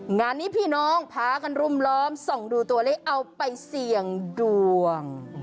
งานนี้พี่น้องพากันรุมล้อมส่องดูตัวเลขเอาไปเสี่ยงดวง